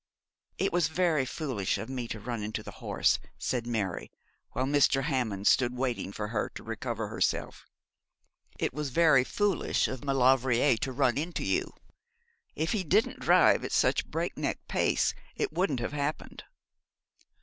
'It was very foolish of me to run into the horse,' said Mary, while Mr. Hammond stood waiting for her to recover herself. 'It was very foolish of Maulevrier to run into you. If he didn't drive at such a break neck pace it wouldn't have happened.'